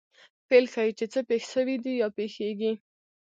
فعل ښيي، چي څه پېښ سوي دي یا پېښېږي.